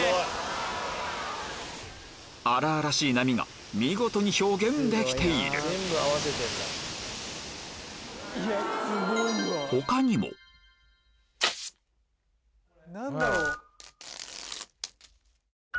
荒々しい波が見事に表現できている何だろう？